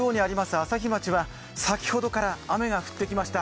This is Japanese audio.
朝日町は先ほどから雨が降ってきました。